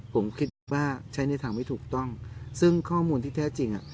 ผมคิดว่าใช้ในทางไม่ถูกต้องซึ่งข้อมูลที่แท้จริงอ่ะ